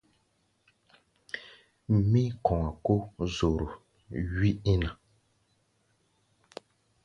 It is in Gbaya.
Mí̧í̧-kɔ̧a̧ kó zoro wí íŋ ná.